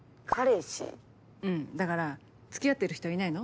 うんだから付き合ってる人いないの？